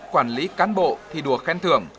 quản lý cán bộ thì đùa khen thưởng